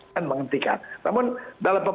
men menghentikan namun dalam